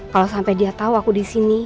kalo sampe dia tau aku disini